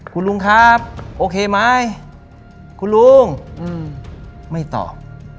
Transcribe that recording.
คุณลุงครับโอเคไหมคุณลุงไม่ตอบ